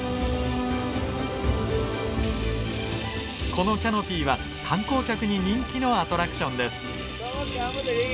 このキャノピーは観光客に人気のアトラクションです。